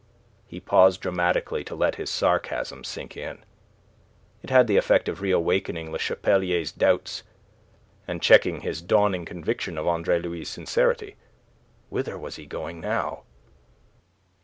He paused dramatically to let his sarcasm sink in. It had the effect of reawakening Le Chapelier's doubts, and checking his dawning conviction in Andre Louis' sincerity. Whither was he going now?